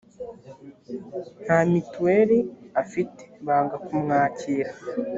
nta mutuel afite banga kumwakira